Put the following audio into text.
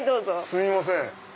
すいません。